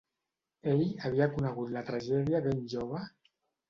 Ell havia conegut la tragèdia ben jove...